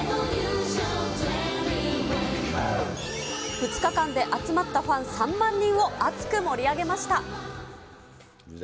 ２日間で集まったファン３万人を熱く盛り上げました。